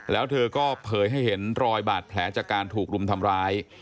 แล้วเธอก็เผยให้เห็นรอยบาดแผลจากการถูกรุมทำร้าย